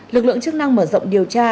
lực lượng chức năng mở rộng điều tra